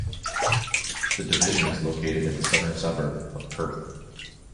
The Division is located in the southern suburbs of Perth.